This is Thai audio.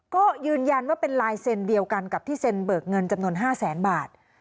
ก็ยืนยันว่าเป็นลายเซ็นเดียวกันกับที่เซ็นเบิกเงินจำนวน๕แสนบาท